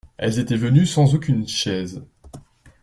Elles étaient venues sans aucune chaise.